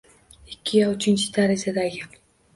Ikki yo uchinchi darajadagi